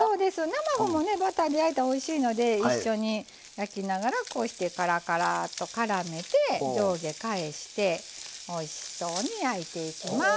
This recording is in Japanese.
生麩もねバターで焼いたらおいしいので一緒に焼きながらこうしてからからっとからめて上下返しておいしそうに焼いていきます。